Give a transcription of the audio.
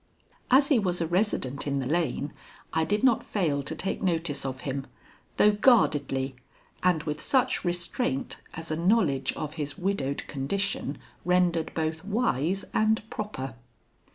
As he was a resident in the lane, I did not fail to take notice of him, though guardedly and with such restraint as a knowledge of his widowed condition rendered both wise and proper.